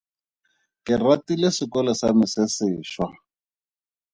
Ke ratile sekolo sa me se sešwa.